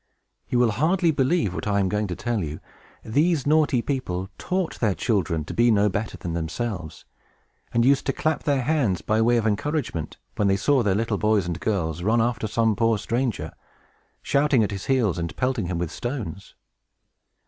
You will hardly believe what I am going to tell you. These naughty people taught their children to be no better than themselves, and used to clap their hands, by way of encouragement, when they saw the little boys and girls run after some poor stranger, shouting at his heels and pelting him with stones.